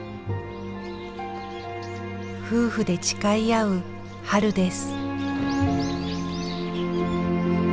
夫婦で誓い合う春です。